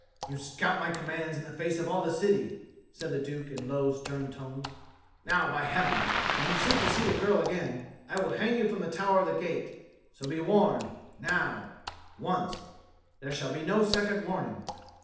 "You scout my commands in the face of all the city," said the Duke in low stern tones. "Now, by Heaven, if you seek to see the girl again, I will hang you from the tower of the gate. So be warned now once: there shall be no second warning."